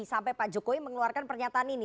sampai pak jokowi mengeluarkan pernyataan ini